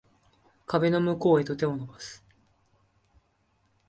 壁の向こうへと手を伸ばす